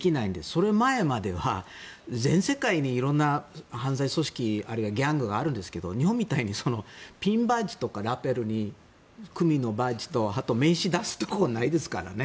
その前までは全世界に色んな犯罪組織あるいはギャングがあるんですが日本みたいにピンバッジとかラベルに組員のバッジとあと名刺を出すところはないですからね。